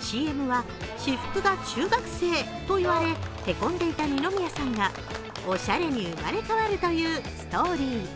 ＣＭは私服が中学生と言われへこんでいた二宮さんがおしゃれに生まれ変わるというストーリー。